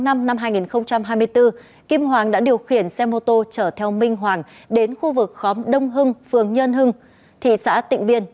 năm hai nghìn hai mươi bốn kim hoàng đã điều khiển xe mô tô chở theo minh hoàng đến khu vực khóm đông hưng phường nhân hưng thị xã tịnh biên